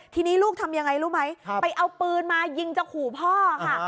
ทีนี้ลูกทำยังไงรู้ไหมไปเอาปืนมายิงจะขู่พ่อค่ะ